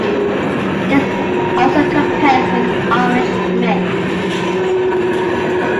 This also compares with Irish myth.